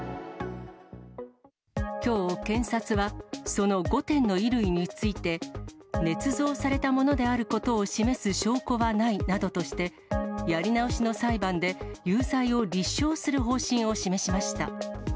きょう、検察はその５点の衣類について、ねつ造されたものであることを示す証拠はないなどとして、やり直しの裁判で有罪を立証する方針を示しました。